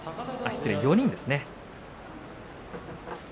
失礼、４人でした。